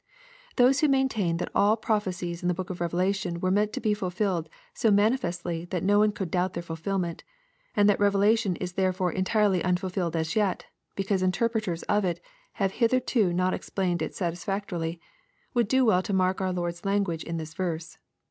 Those who maintain that all prophecies in the book of Revela tion were meant to be fulfilled so manifestly that no one could doubt tlieir fulfilment, — and that Revelation is therefore entirely unfulfilled as yet, because interpreters of it have hitherto not ex plained it satisfactorily, would do well to mark our Lord's language in this verse.